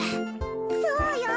そうよ。